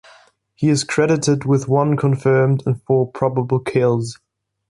He is credited with one confirmed and four probable kills.